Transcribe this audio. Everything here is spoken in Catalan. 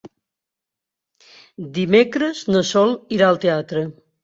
Dimecres na Sol irà al teatre.